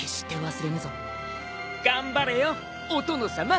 頑張れよお殿様。